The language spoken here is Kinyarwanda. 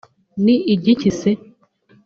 ni igiki se